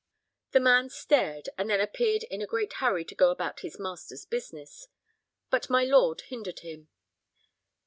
The man stared, and then appeared in a great hurry to go about his master's business. But my lord hindered him.